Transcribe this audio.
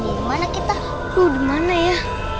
di mana kita tuh di mana ya